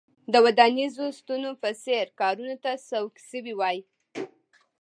د ودانیزو ستنو په څېر کارونو ته سوق شوي وای.